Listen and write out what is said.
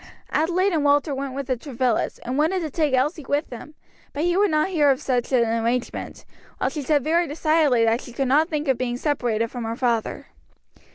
Adelaide and Walter went with the Travillas, and wanted to take Elsie with them, but he would not hear of such an arrangement; while she said very decidedly that she could not think of being separated from her father.